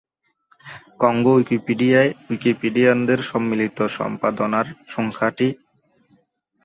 Congo উইকিপিডিয়ায় উইকিপিডিয়ানদের সম্মিলিত সম্পাদনার সংখ্যা টি।